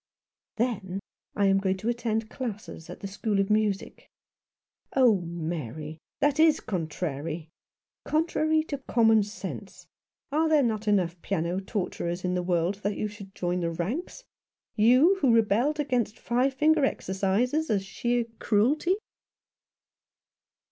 "Then I am going to attend classes at the School of Music." "Oh, Mary, that is contrary — contrary to common sense. Are there not enough piano torturers in the world, that you should join the ranks ? You, who always rebelled against five finger exercises as a sheer cruelty